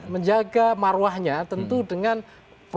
menjaga maruahnya tentu dengan profil orang lain